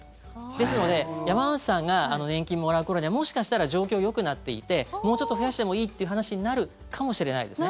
ですので山之内さんが年金もらう頃にはもしかしたら状況よくなっていてもうちょっと増やしてもいいって話になるかもしれないですね。